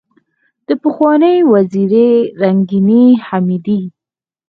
دپخوانۍ وزیرې رنګینې حمیدې